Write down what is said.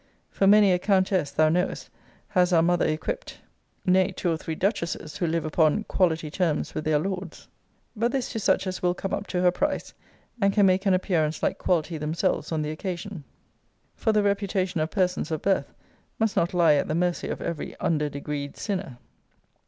For many a countess, thou knowest, has our mother equipped; nay, two or three duchesses, who live upon quality terms with their lords. But this to such as will come up to her price, and can make an appearance like quality themselves on the occasion: for the reputation of persons of birth must not lie at the mercy of every under degreed sinner.